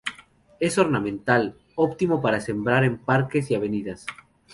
Es ornamental, óptimo para sembrar en parques y avenidas.